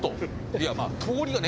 いやまあ通りはね